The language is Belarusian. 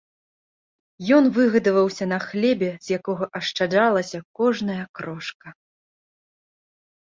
Ён выгадаваўся на хлебе, з якога ашчаджалася кожная крошка.